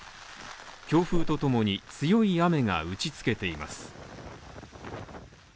強風と共に強い雨が打ち付けています。